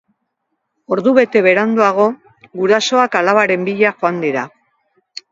Ordubete beranduago, gurasoak alabaren bila joan dira.